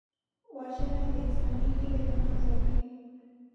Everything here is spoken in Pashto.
وژنه د انساني هیلې له منځه وړي